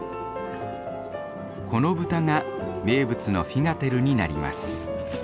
この豚が名物のフィガテルになります。